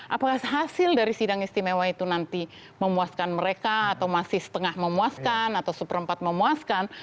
apakah hasil dari sidang istimewa itu nanti memuaskan mereka atau masih setengah memuaskan atau seperempat memuaskan